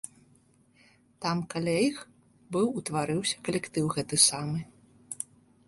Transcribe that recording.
Там каля іх быў утварыўся калектыў гэты самы.